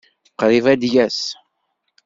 Qṛib ad yas.